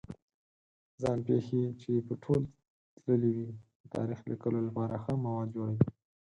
ځان پېښې چې په تول تللې وي د تاریخ لیکلو لپاره خام مواد جوړوي.